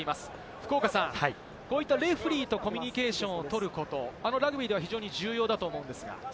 福岡さん、こういったレフェリーとコミュニケーションをとることをラグビーでは非常に重要だと思うんですが。